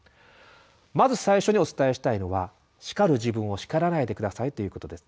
まず最初にお伝えしたいのは「叱る自分を叱らないでください」ということです。